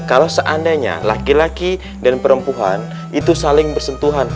kalau seandainya laki laki dan perempuan itu saling bersentuhan